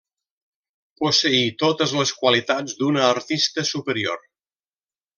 Posseí totes les qualitats d'una artista superior.